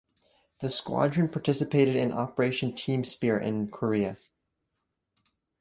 The squadron participated in Operation "Team Spirit" in Korea.